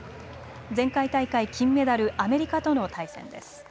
前回大会金メダル、アメリカとの対戦です。